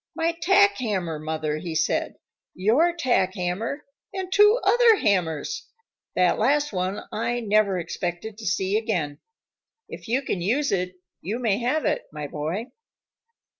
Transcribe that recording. "My tack hammer, Mother," he said, "your tack hammer, and two other hammers! That last one I never expected to see again. If you can use it, you may have it, my boy."